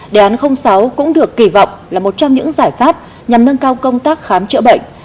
đề án sáu cũng được kỳ vọng là một trong những giải pháp nhằm nâng cao công tác khám chữa bệnh